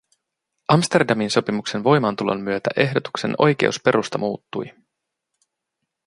Amsterdamin sopimuksen voimaantulon myötä ehdotuksen oikeusperusta muuttui.